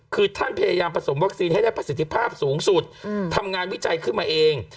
คือท่านพยายามผสมวัคซีนให้ได้ประสิทธิภาพสูงสุดทำงานวิจัยขึ้นมาเอง